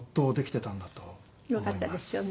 よかったですよね。